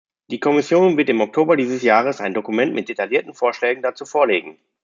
Die Kommission wird im Oktober dieses Jahres ein Dokument mit detaillierten Vorschlägen dazu vorlegen.